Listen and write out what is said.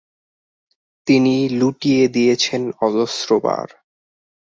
তিনি লুটিয়ে দিয়েছেন অজস্রবার।